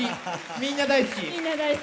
みんな大好き。